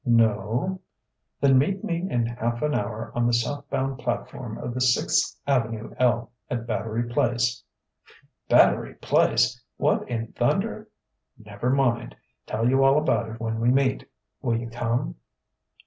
"No " "Then meet me in half an hour on the southbound platform of the Sixth Avenue L at Battery Place." "Battery Place! What in thunder " "Never mind tell you all about it when we meet. Will you come?"